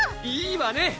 いいわね！